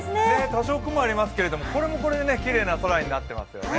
多少雲はありますけれどもこれはこれできれいな空になっていますよね。